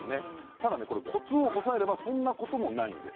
ただコツを押さえればそんなことはないんです。